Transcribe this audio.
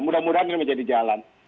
mudah mudahan ini menjadi jalan